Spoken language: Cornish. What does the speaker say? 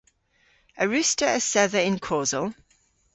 A wruss'ta esedha yn kosel?